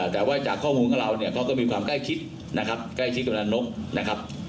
แต่ว่าจากข้อมูลของเราเนี่ยเขาก็มีความใกล้ชิดนะครับใกล้ชิดกำลังนกนะครับ